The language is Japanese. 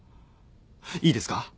いいですか？